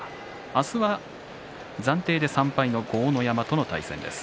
明日は暫定で３敗の豪ノ山との対戦です。